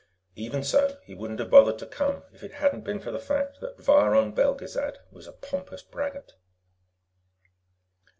Even so, he wouldn't have bothered to come if it had not been for the fact that Viron Belgezad was a pompous braggart.